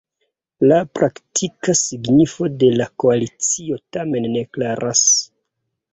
La praktika signifo de la koalicio tamen ne klaras.